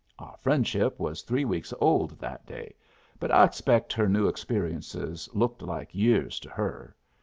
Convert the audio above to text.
Our friendship was three weeks old that day, but I expect her new experiences looked like years to her.